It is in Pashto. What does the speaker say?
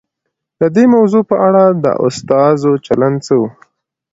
د دې موضوع په اړه د استازو چلند څه و؟